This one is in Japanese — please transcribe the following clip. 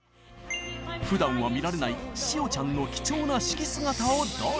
ふだんは見られない塩ちゃんの貴重な指揮姿をどうぞ！